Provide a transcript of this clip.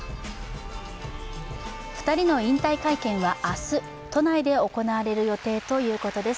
２人の引退会見は明日、都内で行われるということです。